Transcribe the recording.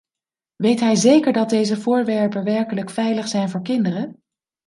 Weet hij zeker dat deze voorwerpen werkelijk veilig zijn voor kinderen?